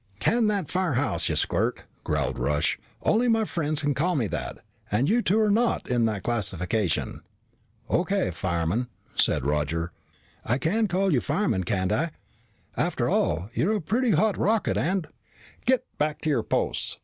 "Can that Firehouse, ya squirt!" growled Rush. "Only my friends can call me that. And you two are not in that classification." "O.K., Fireman," said Roger. "I can call you Fireman, can't I? After all, you are a pretty hot rocket, and " "Get back to your posts!"